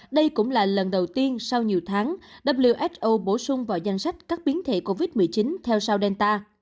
đây cũng là lần đầu tiên sau nhiều tháng who bổ sung vào danh sách các biến thể covid một mươi chín theo sau delta